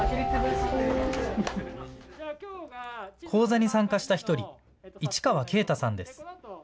講座に参加した一人、市川慶太さんです。